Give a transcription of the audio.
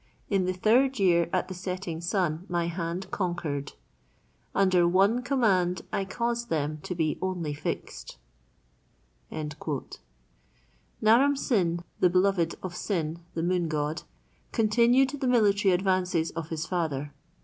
"In the third year at the setting Sun my hand conquered." "Under one command I caused them to be only fixed." Naram Sin—the beloved of Sin, the Moon God—continued the military advances of his father.